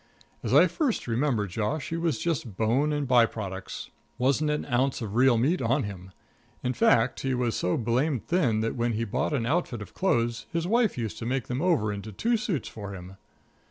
As I first remember Josh, he was just bone and by products. Wasn't an ounce of real meat on him. In fact, he was so blamed thin that when he bought an outfit of clothes his wife used to make them over into two suits for him.